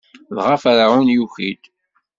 Dɣa Ferɛun yuki-d.